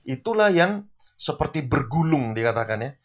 itulah yang seperti bergulung dikatakan ya